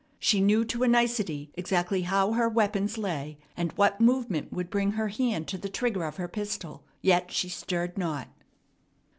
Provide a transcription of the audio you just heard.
She knew to a nicety exactly how her weapons lay, and what movement would bring her hand to the trigger of her pistol; yet she stirred not.